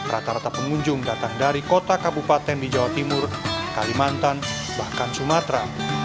rata rata pengunjung datang dari kota kabupaten di jawa timur kalimantan bahkan sumatera